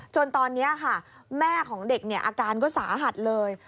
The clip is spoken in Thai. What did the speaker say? จนตอนนี้ค่ะแม่ของเด็กเนี่ยอาการก็สาหัสเลย